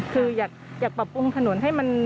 คืออยากปรับปรุงถนน